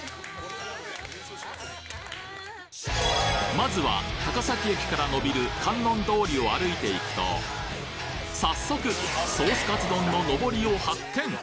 まずは高崎駅から伸びる観音通りを歩いていくと早速ソースかつ丼ののぼりを発見！